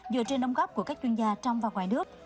dựa trên nông góp của các chuyên gia trong và ngoài nước